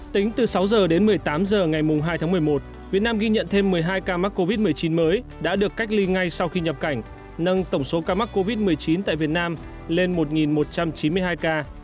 tính từ sáu h đến một mươi tám h ngày hai tháng một mươi một việt nam ghi nhận thêm một mươi hai ca mắc covid một mươi chín mới đã được cách ly ngay sau khi nhập cảnh nâng tổng số ca mắc covid một mươi chín tại việt nam lên một một trăm chín mươi hai ca